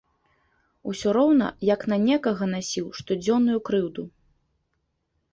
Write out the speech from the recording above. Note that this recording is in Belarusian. Усё роўна як на некага насіў штодзённую крыўду.